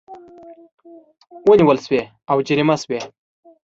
ونیول شوې او جریمه شوې